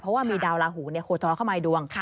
เพราะว่ามีดาวลาหูโคจรเข้ามาในดวง